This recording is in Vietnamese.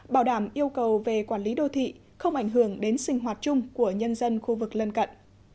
bảo đảm yêu cầu về quản lý đô thị không ảnh hưởng đến sinh hoạt chung của nhân dân khu vực lân cận